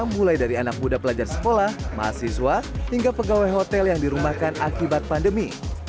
mulai dari anak muda pelajar sekolah mahasiswa hingga pegawai hotel yang dirumahkan akibat pandemi